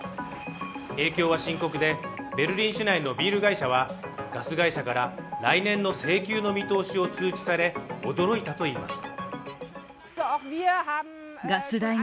影響は深刻で、ベルリン市内のビール会社はガス会社から来年の請求の見通しを通知され、驚いたといいます。